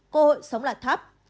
cơ hội sống là thấp